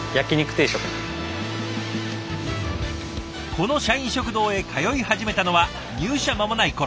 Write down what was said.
この社員食堂へ通い始めたのは入社間もない頃。